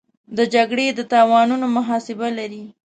د جګړې د تاوانونو محاسبه لري.